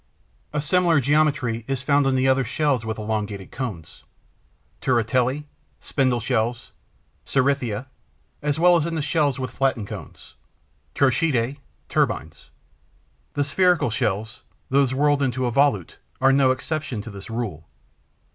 A similar geometry is found in the other shells with elongated cones, Turritellae, Spindle shells, Cerithia, as well as in the shells with flattened cones, Trochidae, Turbines. The spherical shells, those whirled into a volute, are no exception to this rule.